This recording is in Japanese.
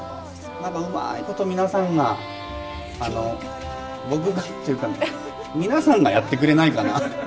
なんかうまいこと皆さんが、僕がっていうか、皆さんがやってくれないかな。